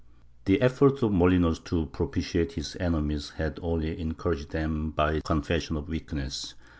^ The effort of Molinos to propitiate his enemies had only encour aged them by its confession of weakness.